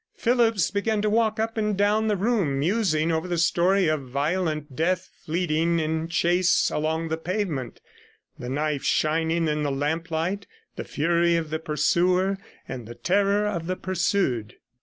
Phillipps began to walk up and down the room, musing over the story of violent death fleeting in chase along the pavement, the knife shining in the lamplight, the fury of the pursuer, and the terror of the pursued.